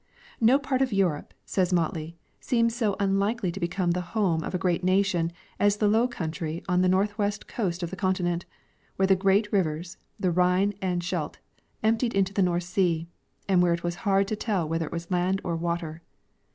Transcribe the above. No part of Europe, says Motley, seemed so unlikely to become the home of a great nation as the low country on the north western coast of the continent, where the great rivers, the Rhine and Scheldt, emptied into the North sea, and where it was hard to tell whether it was land or water.